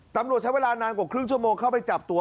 ตำรวจใช้เวลานานกว่าครึ่งชั่วโมงเข้าไปจับตัว